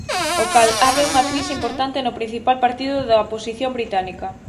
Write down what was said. O cal abre unha crise importante no principal partido da oposición británica.